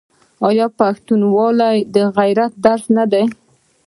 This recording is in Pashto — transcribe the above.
آیا پښتونولي د غیرت درس نه دی؟